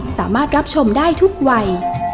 สามารถรับชมได้ทุกวัย